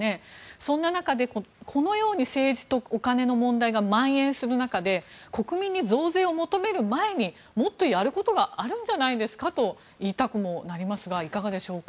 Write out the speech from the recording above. そんな中でこのように政治と金の問題がまん延する中で国民の増税を求める前にもっとやることがあるんじゃないですかと言いたくなりますがいかがでしょうか。